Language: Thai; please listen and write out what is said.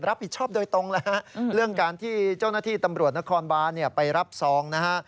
รับผิดชอบโดยตรงแล้วฮะเรื่องการที่เจ้าหน้าที่ตำรวจนครบานไปรับซองนะฮะ